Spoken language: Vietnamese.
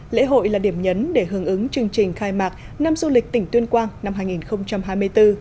lễ hội là điểm nhấn để hướng ứng chương trình khai mạc năm du lịch tỉnh tuyên quang năm hai nghìn hai mươi bốn